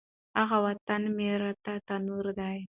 هغه وطن مي راته تنور دی